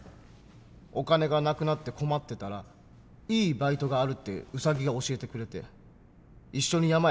お金が無くなって困ってたら「いいバイトがある」ってウサギが教えてくれて一緒に山へ薪を拾いに行ったんだ。